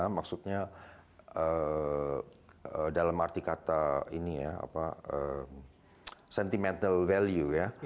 maksudnya dalam arti kata ini ya apa sentimental value ya